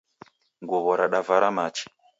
Nguwo radavara machi